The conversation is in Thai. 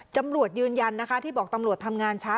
ตำรวจยืนยันนะคะที่บอกตำรวจทำงานช้า